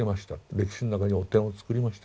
歴史の中に汚点を作りました。